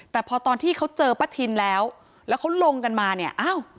แต่พอตอนที่เขาเจอป้าทินแล้วแล้วเขาลงกันมาเนี่ยอ้าว